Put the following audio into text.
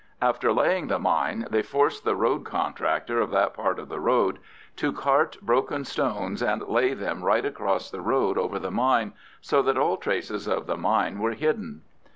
After laying the mine they forced the road contractor of that part of the road to cart broken stones and lay them right across the road over the mine, so that all traces of the mine were hidden.